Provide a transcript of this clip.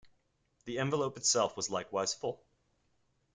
The envelope itself was likewise full.